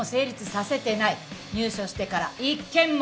入所してから一件も。